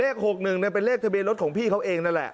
๖๑เป็นเลขทะเบียนรถของพี่เขาเองนั่นแหละ